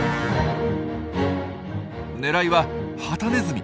狙いはハタネズミ。